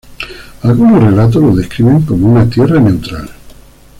Algunos relatos lo describen como una tierra neutral.